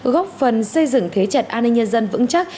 góp phần xây dựng khế trật an ninh nhân dân vững chắc